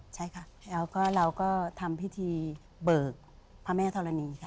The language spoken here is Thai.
ใช่ค่ะเราก็ทำพิธีเบิกพระแม่ธรณีย์ค่ะ